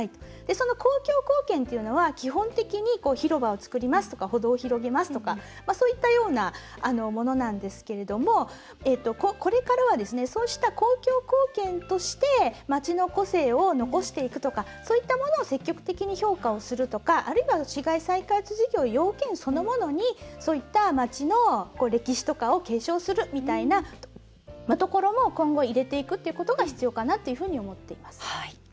その公共貢献というのは基本的に広場を作りますとか歩道を広げますとかそういったようなものなんですがこれからはですねそうした公共貢献として街の個性を残していくとかそういったものを積極的に評価をするとかあるいは、市街地再開発事業要件そのものにそういった街の歴史とかを継承するみたいなところも今後、入れていくということが必要かなというふうに思っています。